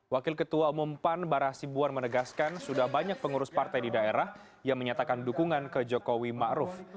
wakil ketua umum pan bara sibuan menegaskan sudah banyak pengurus partai di daerah yang menyatakan dukungan ke jokowi ⁇ maruf ⁇